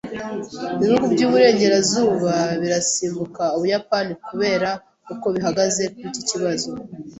Ibihugu by’iburengerazuba birasimbuka Ubuyapani kubera uko bihagaze kuri iki kibazo.